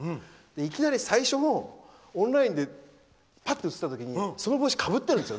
いきなり最初オンラインでパッと映った時にその帽子かぶってるんですよ